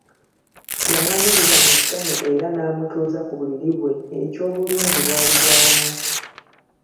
Yamwaniriza mu ssanyu era n’amutuuza ku buliri bwe, eky’obulungi bwali bwa wansi.